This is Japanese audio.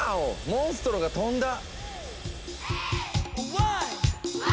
モンストロが飛んだ！